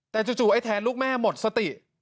แต่จู่ไอ้แทนลูกแม่หมดสติ